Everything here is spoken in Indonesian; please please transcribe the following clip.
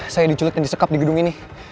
saya diculik dan disekap di gedung ini